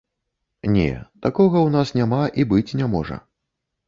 Не, такога ў нас няма і быць не можа.